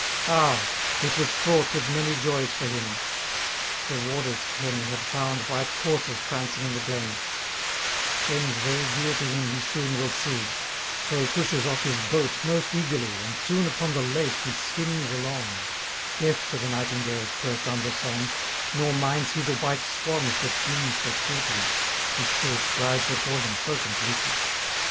Ah! it was fraught With many joys for him: the warder's ken Had found white coursers prancing in the glen: Friends very dear to him he soon will see; So pushes off his boat most eagerly, And soon upon the lake he skims along, Deaf to the nightingale's first under song; Nor minds he the white swans that dream so sweetly: His spirit flies before him so completely.